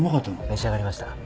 召し上がりました？